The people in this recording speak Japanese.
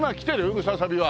ムササビは。